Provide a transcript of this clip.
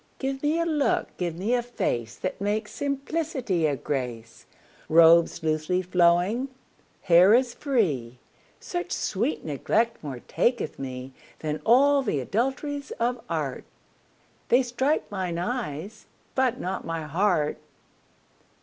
Give me a look, give me a face That makes simplicity a grace; Robes loosely flowing, hair as free: Such sweet neglect more taketh me 10 Than all th' adulteries of art; They strike mine eyes, but not my heart.